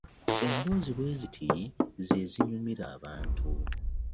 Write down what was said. Emboozi bweziti zezonyumira abantu .